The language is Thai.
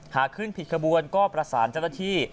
หากขึ้นผิดขบวนก็ประสานเจ้าหน้าที่